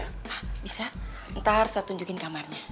nah bisa ntar saya tunjukin kamarnya